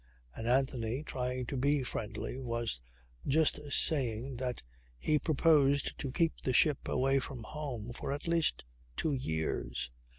And Anthony, trying to be friendly, was just saying that he proposed to keep the ship away from home for at least two years.